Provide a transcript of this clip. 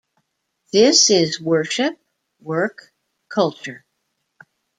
This is worship, work, culture.